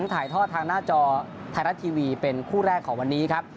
ถ่ายทอดทางหน้าจอไทยรัฐทีวีเป็นคู่แรกของวันนี้ครับ